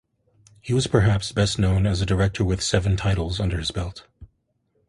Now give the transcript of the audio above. He was perhaps best known as a director with seven titles under his belt.